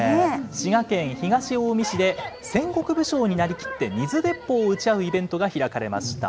滋賀県東近江市で戦国武将になりきって水鉄砲を撃ち合うイベントが開かれました。